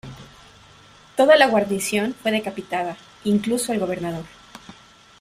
Toda la guarnición fue decapitada, incluido el gobernador.